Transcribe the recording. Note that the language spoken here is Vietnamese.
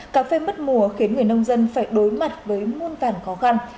cà phê mất mùa khiến người nông dân phải đối mặt với muôn vản khó khăn